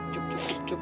cuk cuk cuk